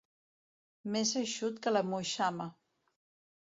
Més eixut que la moixama.